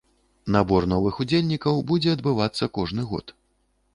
Набор новых удзельнікаў будзе адбывацца кожны год.